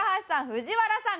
藤原さん